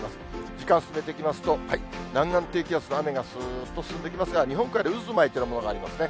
時間進めていきますと、南岸低気圧の雨がすーっと進んできますが、日本海で渦巻いてるものがありますね。